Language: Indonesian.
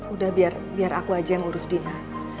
udah biar aku aja yang urus dina